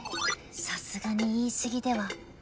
さすがに言い過ぎでは？